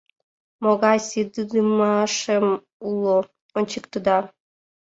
Могай ситыдымашем уло — ончыктеда.